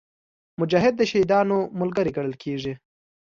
مجاهد د شهیدانو ملګری ګڼل کېږي.